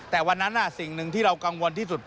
แต่วันนั้นสิ่งหนึ่งที่เรากังวลที่สุด